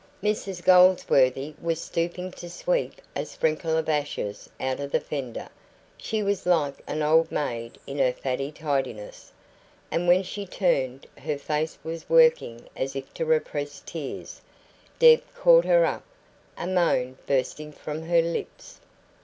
Mrs Goldsworthy was stooping to sweep a sprinkle of ashes out of the fender she was like an old maid in her faddy tidiness and when she turned, her face was working as if to repress tears. Deb caught her up, a moan bursting from her lips.